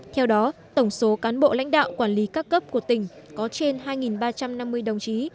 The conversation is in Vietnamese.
theo đó tổng số cán bộ lãnh đạo quản lý các cấp của tỉnh có trên hai ba trăm năm mươi đồng chí